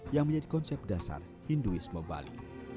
yang menjadi konsep dasar hinduisme bali